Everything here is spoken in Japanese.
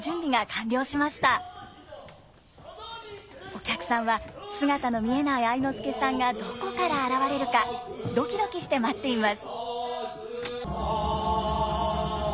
お客さんは姿の見えない愛之助さんがどこから現れるかドキドキして待っています。